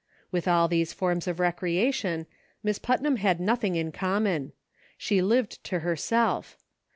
With all these forms of recreation, Miss Putnam had nothing in common ; she live(^ to herself.